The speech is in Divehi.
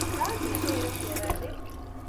ރާއްޖެއިން ބޭރުން ކިޔަވައިދެވެ